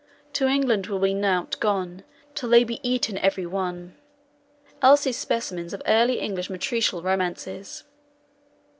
To England will we nought gon, Till they be eaten every one.'" ELLIS'S SPECIMENS OF EARLY ENGLISH METRICEL ROMANCES.